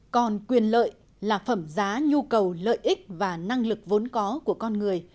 còn quyền lợi là phẩm giá nhu cầu lợi ích và năng lực vốn có của con người